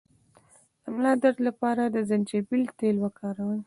د ملا درد لپاره د زنجبیل تېل وکاروئ